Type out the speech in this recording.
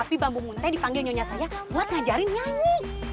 tapi mbak mumun teh dipanggil nyonya saya buat ngajarin nyanyi